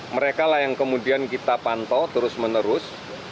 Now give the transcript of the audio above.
mereka lah yang kemudian kita pantau terus menerus